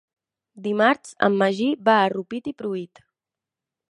Dimarts en Magí va a Rupit i Pruit.